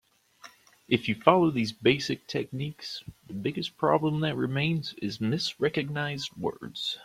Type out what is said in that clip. If you follow these basic techniques, the biggest problem that remains is misrecognized words.